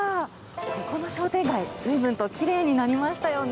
ここの商店街、ずいぶんときれいになりましたよね。